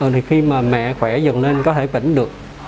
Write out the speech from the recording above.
thì khi mà mẹ khỏe dần lên có thể tỉnh được